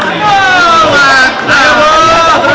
ada yang mau tembus